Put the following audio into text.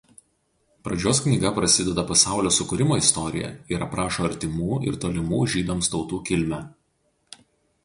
Pradžios knyga prasideda pasaulio sukūrimo istorija ir aprašo artimų ir tolimų žydams tautų kilmę.